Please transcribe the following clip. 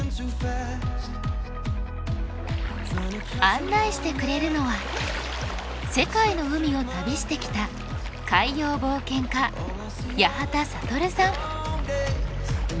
案内してくれるのは世界の海を旅してきた海洋冒険家八幡暁さん。